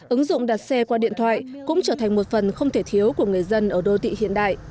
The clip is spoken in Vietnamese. ứng dụng đặt xe qua điện thoại cũng trở thành một phần không thể thiếu của người dân ở đô thị hiện đại